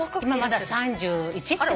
今まだ３１。